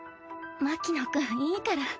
牧野くんいいから。